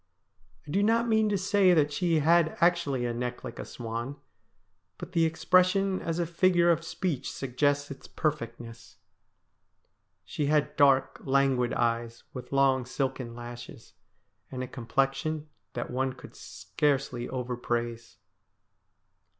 I do not mean to say that she had actually a neck like a swan, but the expression as a figure of speech suggests its perfectness. She had dark, languid eyes, with long silken lashes, and a complexion that one could scarcely overpraise.